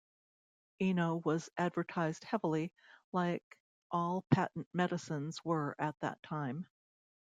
Eno was advertised heavily, like all patent medicines were at that time.